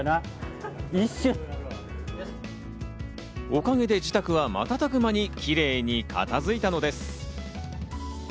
おかげで自宅は瞬く間にキレイに片付いたのです。